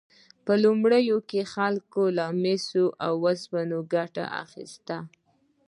په لومړیو کې خلکو له مسو او اوسپنې ګټه اخیسته.